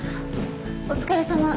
お疲れさま。